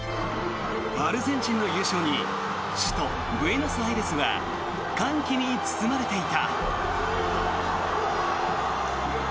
アルゼンチンの優勝に首都ブエノスアイレスは歓喜に包まれていた。